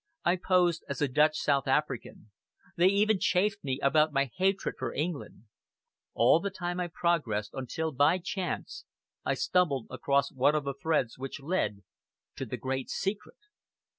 I posed as a Dutch South African. They even chaffed me about my hatred for England. All the time I progressed, until, by chance, I stumbled across one of the threads which led to the great Secret!"